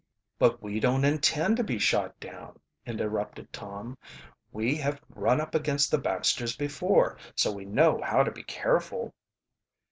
"But we don't intend to be shot down," interrupted Tom. "We have run up against the Baxters before, so we know how to be careful."